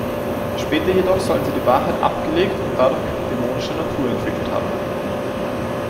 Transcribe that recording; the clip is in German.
Später jedoch sollen sie die Wahrheit abgelegt und dadurch ihre dämonische Natur entwickelt haben.